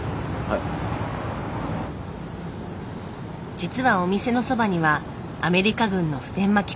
実はお店のそばにはアメリカ軍の普天間基地。